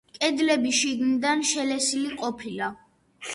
კედლები შიგნიდან შელესილი ყოფილა.